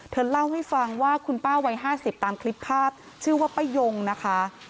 เธอเล่าให้ฟังว่าคุณป้าวัย๕๐ตามคลิปภาพชื่อว่าป้ายงนะคะ